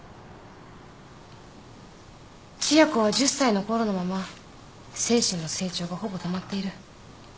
千夜子は１０歳のころのまま精神の成長がほぼ止まっている。